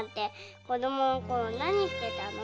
子どものころ何してたの？